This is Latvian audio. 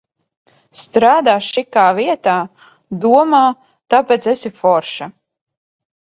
Strādā šikā vietā, domā, tāpēc esi forša.